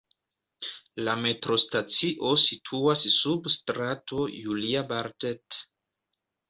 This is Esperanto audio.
La metrostacio situas sub Strato Julia-Bartet.